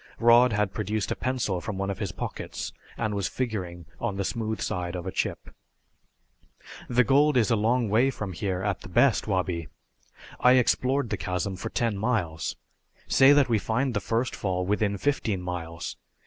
Rod had produced a pencil from one of his pockets and was figuring on the smooth side of a chip. "The gold is a long way from here at the best, Wabi. I explored the chasm for ten miles. Say that we find the first fall within fifteen miles.